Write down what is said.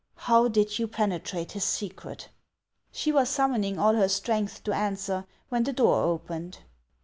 How did you penetrate his secret ?" She was summoning all her strength to answer, when the door opened.